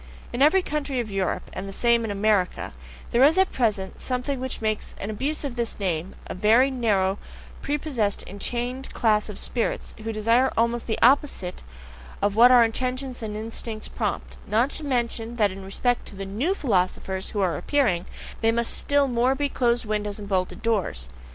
In every country of Europe, and the same in America, there is at present something which makes an abuse of this name a very narrow, prepossessed, enchained class of spirits, who desire almost the opposite of what our intentions and instincts prompt not to mention that in respect to the NEW philosophers who are appearing, they must still more be closed windows and bolted doors.